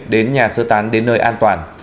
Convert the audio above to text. đến nhà sơ tán đến nơi an toàn